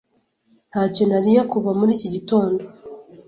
Ntacyo nariye kuva muri iki gitondo.